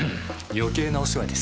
余計なお世話です。